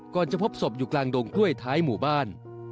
จะพบศพอยู่กลางดงกล้วยท้ายหมู่บ้าน